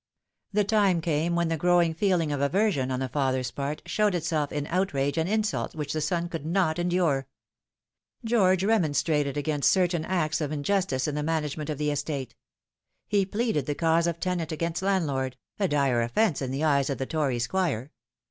The time came when the growing feeling of aversion on the father's part showed itself in outrage and insult which the son could not endure. George remonstrated against certain acts of injustice in the management of the estate. He pleaded the cause of tenant against landlord a dire offence in the eyes of the Tory Squire.